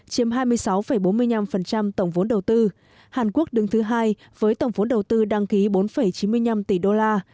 chiếm hai mươi sáu bốn mươi năm tổng vốn đầu tư hàn quốc đứng thứ hai với tổng vốn đầu tư đăng ký bốn chín mươi năm tỷ đô la